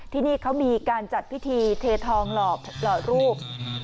ที่นี่เขามีการจัดพิธีเททองหล่อรูป